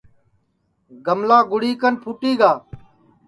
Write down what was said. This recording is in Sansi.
گملا گُڑی کن پھُوٹی گا